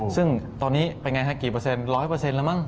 ซึ่งตอนนี้เป็นอย่างไรคะกี่เปอร์เซ็นต์ร้อยเปอร์เซ็นต์แล้วมั้ง